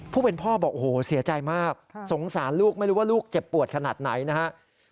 ผู้เป็นพ่อบอกโอ้โหเสียใจมากสงสารลูกไม่รู้ว่าลูกเจ็บปวดขนาดไหนนะครับ